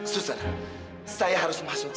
suster saya harus masuk